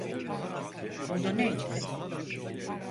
Konu neydi?